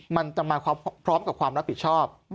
มันจะมาพร้อมกับความรับผิดชอบ